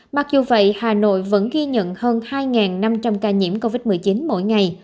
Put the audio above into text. mặc dù vậy hà nội vẫn ghi nhận hơn hai năm trăm linh ca nhiễm covid một mươi chín mỗi ngày